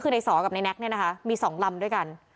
คือในสอกับในนักเนี่ยนะคะมีสองลำด้วยกัน